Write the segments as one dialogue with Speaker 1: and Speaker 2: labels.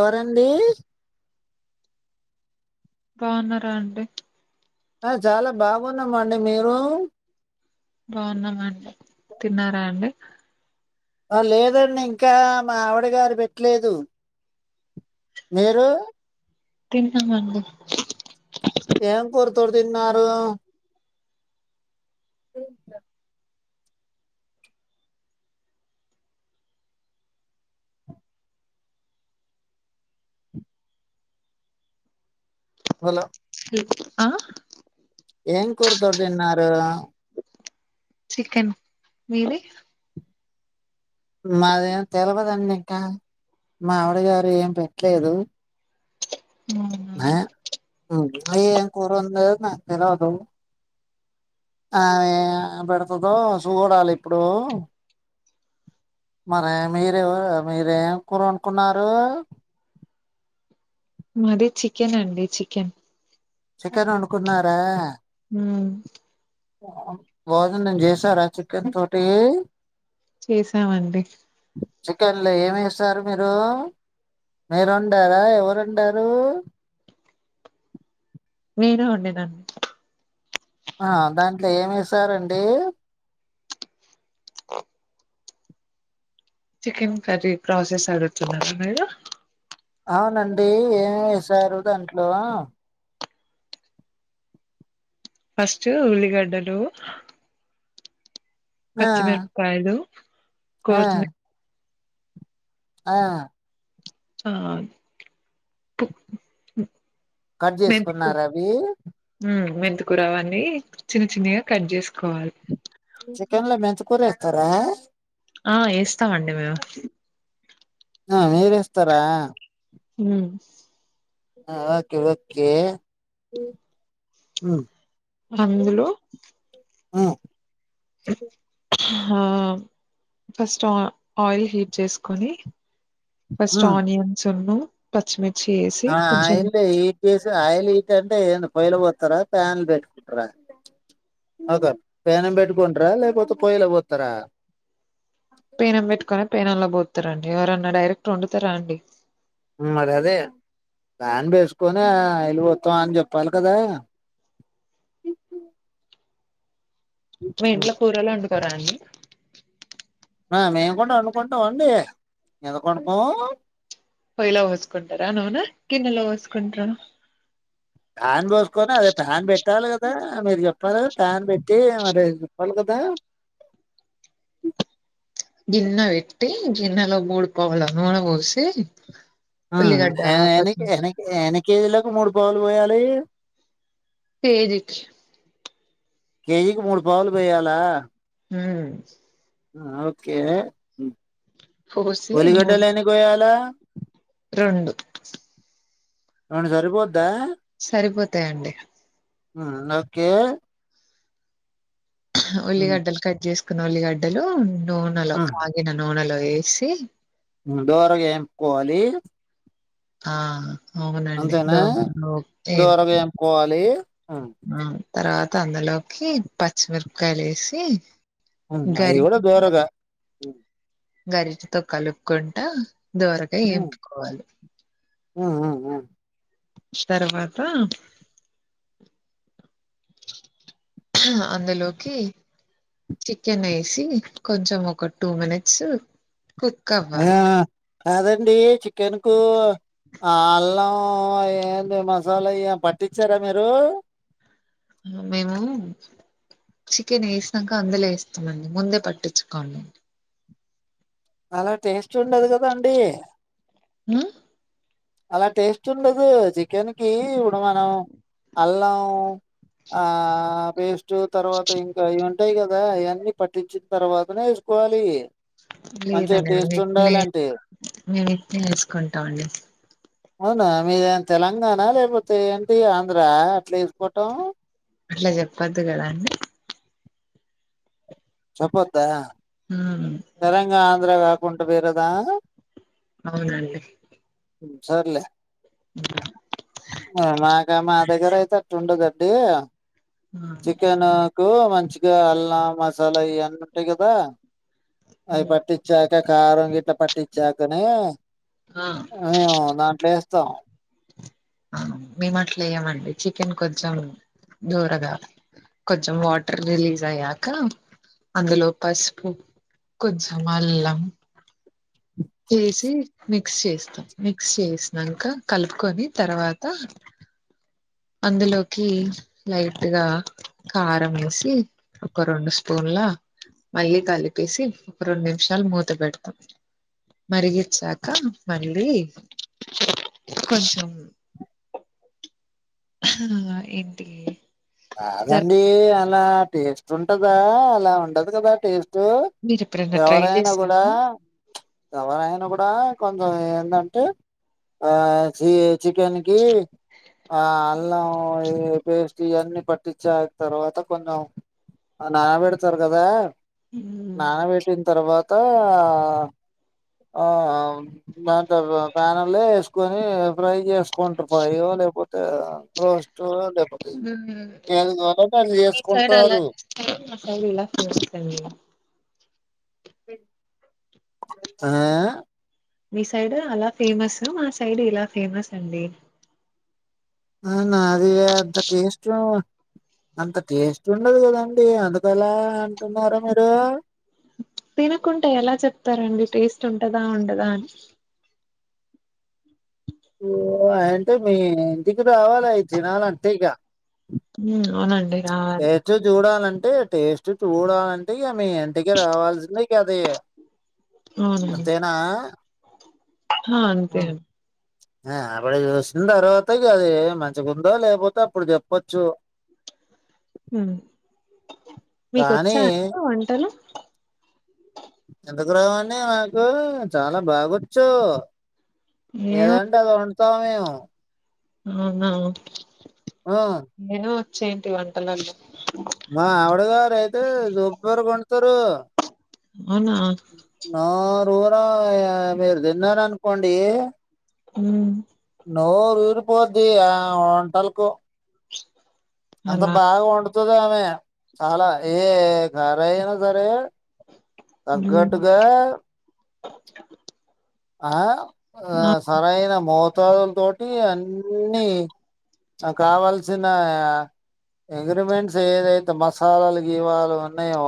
Speaker 1: ఎవరండి
Speaker 2: బావున్నారా అండి.
Speaker 1: ఆ చాలా బాగున్నాం అండి, మీరు
Speaker 2: బావున్నం అండి, తిన్నారా అండి‌
Speaker 1: ఆ లేదండి ఇంకా మా ఆవిడ గారు పెట్లేదు, మీరు
Speaker 2: తింట్నామండి.
Speaker 1: ఏం పురతో తిన్నారు. బీ న్స్ హలో
Speaker 2: ఆ
Speaker 1: ఏం కూరుతుడుదిన్నారు.
Speaker 2: చికెన్, మిది
Speaker 1: మాదేం తెల్వదండి ఇంకా, మావిడ గారు ఏం పెట్లేదు.
Speaker 2: అవునా
Speaker 1: మె హుం ఏం కూరవునదొ నాక్ తెల్వదు. ఆవే పెడతుదో చూడాలిప్పుడు, మరే మీరేవరు మీరేం కూరండుకున్నారు.
Speaker 2: మాది చికెన్ అండి, చికెన్
Speaker 1: చికెన్ వన్నుకున్నారా.
Speaker 2: హు
Speaker 1: భోజన్ జేసారా చికెన్ తోటి
Speaker 2: చేసాంవండి.
Speaker 1: చికెన్లొ ఏవేసారు మీరూ, మీరొండరా ఎవరొండారు.
Speaker 2: మీరె వండినన్.
Speaker 1: ఆ దాంట్లో ఏంవేసారండి.
Speaker 2: చికెన్ కర్రీ ప్రాసెస్ అడుతున్నార మీరు
Speaker 1: అవునండి, ఏం ఎసారు దాంట్లో
Speaker 2: ఫస్ట్ ఉల్లిగడ్డలు
Speaker 1: ఆ
Speaker 2: పచ్చిమిరపకాయలు
Speaker 1: ఆ
Speaker 2: కొత్తిమీర
Speaker 1: ఆ
Speaker 2: ఆ ప్
Speaker 1: కట్ చేసుకున్నారవి
Speaker 2: మెంతికూరవన్నీ చిన్న చిన్నగా కట్ చేసుకోవాలి‌.
Speaker 1: చికెన్లో మెంతికూర ఎస్తారా.
Speaker 2: ఆ ఎస్ స్తామండి మేము
Speaker 1: ఆ మీరేస్తారా.
Speaker 2: హు
Speaker 1: ఆ ఓకే ఓకే ఉ
Speaker 2: అందులో
Speaker 1: ఉ
Speaker 2: ఆ ఫస్ట్ ఆయిల్ హీట్ చేసుకొని ఫస్ట్
Speaker 1: ఉమ్
Speaker 2: ఆనియన్స్ అను పచ్చ్చమీ
Speaker 1: ఆ ఆయల్ ఎం చేసావ్ ఆయల్ ఏంటంటే ఏ పొయ్యలు పోతారా ప్యాన్లు పెట్టుకుంటార ఓకే ప్యాన్ పెట్టుకుంటార లేకపోతే పొయ్యిలో పోతారా
Speaker 2: పేనం పెట్టుకునే పేనంలో బతు రండి ఎవరన్నా డైరెక్ట్ వండుతారా అండి
Speaker 1: మరి అదే దాన్ వేసుకొని వెళ్ళిపోతాం అని చెప్పాలి కదా
Speaker 2: మా ఇంట్లో కూరలు వండు కొరని
Speaker 1: మేము కూడా అనుకుంటాం అండి ఎందుకనుకోము
Speaker 2: పొయ్యిలో పోసుకుంటారా నూనె గిన్నెలో పోసుకుంటారా
Speaker 1: ప్యాన్ పోసుకొని అదే ప్యాన్ పెట్టాలి కదా మీరు చెప్పారు కదా ప్యాన్ పెట్టి ఎమ్ అరేయ్ దా
Speaker 2: గిన్నె పెట్టి గిన్నెలో మూడుపోవుల నూనె పోసి
Speaker 1: హ
Speaker 2: ఉల్లిగడ్డ పచ్చి
Speaker 1: హేనెక్కి హేనెక్కి హేనిక్ కేజీలకు మూడు పావులు పోయాలి
Speaker 2: తేరిచ్
Speaker 1: కేజీకి మూడు పావులు పోయాలా
Speaker 2: హమ్
Speaker 1: ఉమ్ ఓకే
Speaker 2: పోసి మూడు
Speaker 1: ఉలిగడ్డలున్న పోయాలా
Speaker 2: రెండు
Speaker 1: రెండు సరిపోదా
Speaker 2: సరిపోతాయండి
Speaker 1: ఉమ్ ఓకే ఉమ్,
Speaker 2: ఉల్లిగడ్డలు కట్ చేసు కొన్ని ఉల్లిగడ్డలు నూనెలో
Speaker 1: ఉమ్,
Speaker 2: కాగినా నూనెలో వేసి
Speaker 1: దోరగా ఎంపుకోవాలి
Speaker 2: ఆ అవునండి
Speaker 1: దోరగా ఏంపుకోవాలి
Speaker 2: తర్వాత తందులోకి పచ్చిమిరపకాయలు వేసి
Speaker 1: ఉమ్ అది కూడా దోరగా
Speaker 2: గరిటీ తో కలుపూకుంట దోరగా ఎంపుకోవాలి.
Speaker 1: ఆ ఆ ఆ
Speaker 2: తర్వాత అందులోకి చికెన్ వేసి కొంచెం ఒక టూ మినిట్స్ కుక్ అవ్వాలి.
Speaker 1: కాదండి. చికెన్ కు ఆ అల్లం ఏంటి మసాలా ఇ పట్టించారా మీరు
Speaker 2: మేము చికెన్ వేసాక అందులో వేస్తాన్నాండి. ముందే పట్టించుకోండి.
Speaker 1: అలా తెే రుచి ఉండదు కదాండి.
Speaker 2: హ్మ్.
Speaker 1: అలా టేస్ట్ ఉండదు. చికెన్ కి ఇప్పుడు మనం అల్లం ఆ పేస్ట్ తర్వాత ఇంకా ఈవెం ఉంటాయి. కదా అయన్నీ పట్టించిన తర్వాతనే వేసుకోవాలి. మంచిగా
Speaker 2: లేదండి.
Speaker 1: టేస్ట్
Speaker 2: మేము ఇట్నే
Speaker 1: ఉండాలంటే
Speaker 2: మేము ఇట్నే చేసుకుంటాం. అండి
Speaker 1: అవునా మీరే తెలంగాణ లేకపోతే ఏంటి ఆంధ్రా అట్లా ఎసుకోటం
Speaker 2: అట్లా చెప్పద్దు కదా అండి
Speaker 1: చెప్పొద్దా
Speaker 2: హ్మ్.
Speaker 1: తెలంగాణ, ఆంధ్రగా అంటే వేరేదా
Speaker 2: అవునండి.
Speaker 1: సర్లే అ మాక్ ఇంకా మా దగ్గర అయితే అట్టుండదు అండి.
Speaker 2: ఆ!
Speaker 1: చికెను కు మంచిగా అల్లం, మసాలా ఇవన్నీ ఉంటాయి కదా అవి
Speaker 2: హ్మ్.
Speaker 1: పట్టించార్ కారం గిట్ట పట్టిచ్చాకానే
Speaker 2: ఆ
Speaker 1: అవేవో దాంట్లే త
Speaker 2: ఆ మేమ్ మాట్ల వాయ్యమండి. చికెన్ కొంచెం దూరగా, కొంచెం వాటర్ రిలీజ్ అయ్యాక అందులో పసుపు కొంచెం అల్లం చేసి మిక్స్ చేస్తాం. మిక్స్ చేసిన్నాక కలుపుకొని తర్వాత అందులోకి లైట్గా కారం వేసి, ఒక రెండు స్పూన్లా మళ్ళీ కలిపేసి రెండు నిమిషాలు మూత పెడతాం. మరిగీచ్చాక మళ్ళీ కొంచెం ఆ ఏంటి జర
Speaker 1: రాదండి. అలా టేస్ట్ ఉంటదా అలా ఉండదు కదా టేస్ట్
Speaker 2: మీరు ఎప్పుడైనా ట్రై
Speaker 1: ఎవరైనా కూడా
Speaker 2: చేశారా
Speaker 1: ఎవరయన కూడా కొంచెం ఏంటంటే ఆ చీ చికెన్ కి ఆ అల్ పేస్టీ అన్ని పట్టించా తర్వాత కొంచెం నానబెడతారు కదా
Speaker 2: ఉమ్
Speaker 1: నానా బేట తర్వాత ఆ నంట ప్రన ప్లే వేసుకని ఫ్రై చేసుకుంట ఫయో లేకపోతే అ క ఆ అదేపో
Speaker 2: ఉమ్. అలా మసాల ఫ
Speaker 1: స ఆ
Speaker 2: మీ సైడ్ అలా ఫేమస్ మా సైడ్ ఇలా ఫేమస్ అండి
Speaker 1: అనా అది అంత టేస్ట్ అంత టేస్ట్ ఉండదు కదండి అందుకలా అంటున్నారా మీరు
Speaker 2: తినకుంటే ఎలా చెప్తారండి టేస్ట్ ఉంటదా ఉండదా అని
Speaker 1: ఓ అంటే మీ ఇంటికి రావాలివి తినాలంటే ఇక
Speaker 2: అవునండి రావాలి
Speaker 1: అంటే టేస్ట్ చూడాలంటే మీ ఎంటిక రావాజ న క అది అంతేనా
Speaker 2: హా అంతే
Speaker 1: ఇ తర్వాత అది మంచిగా ఉందో లేకపోతే అప్పుడు చెప్పచ్చు కానీ
Speaker 2: మీకోచ్చా అండి వంటలు
Speaker 1: ఎందుకు రావండి నాకు చాలా బాగొచ్చు
Speaker 2: ఏం
Speaker 1: ఏదంటడి అద సమయం
Speaker 2: అవునా
Speaker 1: ఆ
Speaker 2: ఏను చ్చంటి వంటలల్లో
Speaker 1: మా ఆవడదవయితే జప కత్త
Speaker 2: అవునా
Speaker 1: నా ఊర మీరు తిన్నారనుకోండి
Speaker 2: ఉ
Speaker 1: నోరుఊరు పోద్ది ఆ వంటలకు అంత
Speaker 2: అలా
Speaker 1: బాగా వండుతుంది ఆమె చాలా ఏ కరయినా జర
Speaker 2: ఉమ్,
Speaker 1: తగ్గట్టుగా ఆ ఆ సరయినా మో మత్తదుల తోటి అన్ని కావాల్సిన ఇంగ్రిడియంట్స్ ఏదైతే మసాలాలు గీవాలు ఉన్నాయో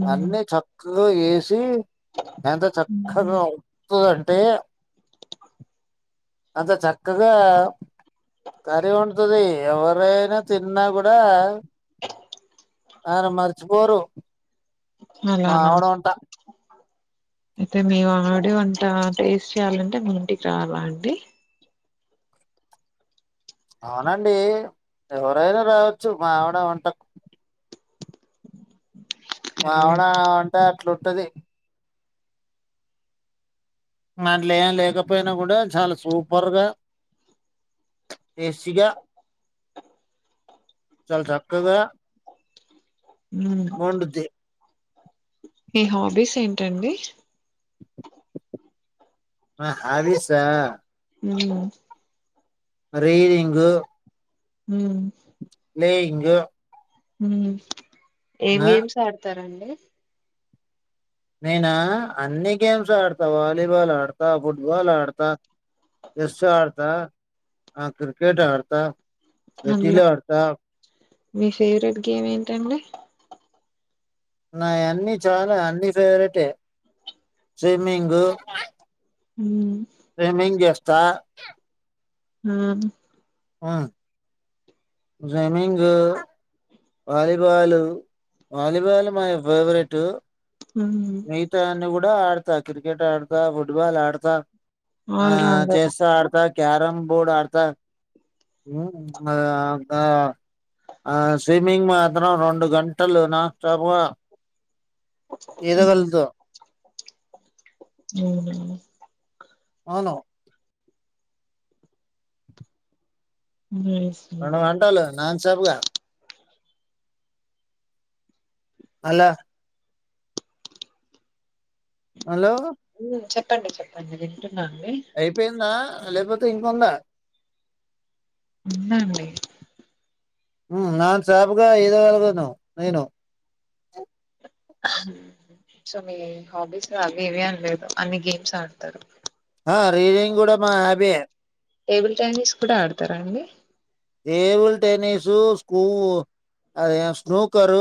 Speaker 2: ఉమ్,
Speaker 1: అన్ని చక్ ఓ ఏటి దాంతో
Speaker 2: ఉమ్,
Speaker 1: చక్కగా అంటే అంత చక్కగా కర్రీ వండుతది ఎవరైనా తిన్నా కూడా ఆర మర్చిపోరు
Speaker 2: అలానా
Speaker 1: మావడ వంట
Speaker 2: అయితే మీ ఆడ అంతా టేస్ట్ చేయాలంటే ము ఇంటికి రాలా అండి
Speaker 1: అవునండి ఎవరైనా రావచ్చు మావిడ వంటకు
Speaker 2: సర్లే
Speaker 1: అవునా అంట అట్లుంటది దంట్లో ఏం లేకపోయినా కూడా చాలా సూపర్గా టేస్టీగా చాలా చక్కగా
Speaker 2: ఊమ్
Speaker 1: వండుద్ది
Speaker 2: మీ హాబీస్ ఏంటండి
Speaker 1: ఆ హవిసా
Speaker 2: అవును
Speaker 1: రీడింగ్
Speaker 2: హుమ్
Speaker 1: ప్లేయింగ్
Speaker 2: హుమ్ ఏం
Speaker 1: ఆ
Speaker 2: గేమ్స్ ఆడతారండి ఏ
Speaker 1: నేనా అన్ని గేమ్స్ ఆడతా. వాలీబాల్ ఆడతా. ఫుట్బాల్ ఆడతా. చెస్ ఆడతా. ఆ క్రికెట్ ఆడతా. షటిల్
Speaker 2: అందులో
Speaker 1: ఆడతా
Speaker 2: మీ ఫేవరెట్ గేమ్ ఏంటండి
Speaker 1: నా అన్ని చాలా అన్ని ఫేవరెట్ ఏ స్విమ్మింగ్
Speaker 2: హుమ్
Speaker 1: త
Speaker 2: హ
Speaker 1: ఆ swimming volleyball volleyball my favourite
Speaker 2: మ్మ్
Speaker 1: మిగతా అన్ని కు డ ఆడత క్రికెట్ ఆడతా ఫుట్బాల్ ఆడతా ఆ
Speaker 2: ఆల్ రౌండర్
Speaker 1: చేస్తా ఆడతా క్యారంమ్ బాడ్ ఆడతా హు ఆ ఆ ఆ స్విమ్మింగ్ మాత్రం రెండు గంటలు నాన్ స్టాపుగా ఇదా గలుగుతా
Speaker 2: అ
Speaker 1: అవును
Speaker 2: నైస్
Speaker 1: రెండు
Speaker 2: అండి
Speaker 1: గంటలు నాన్ స్టాపుగా అలా హలో
Speaker 2: ప్పండి చెప్పండి వింటున్న
Speaker 1: అయిపోయిందా లేపోతే ఇంకుందా
Speaker 2: ఉందండి
Speaker 1: హు నాన్ స్టాప్ గా ఇదా గలుగుతాను నేను
Speaker 2: సో మీ హాబీస్లా అవి ఇవి అని లేదు అన్ని గేమ్స్ ఆడతారు
Speaker 1: హు రీడింగ్ కూడా మా హబియే
Speaker 2: టేబుల్ టెన్నిస్ కూడా ఆడతారా అండి
Speaker 1: టేబుల్ టెన్నిస్ సు స్కూ అదే స్ట్రోకరు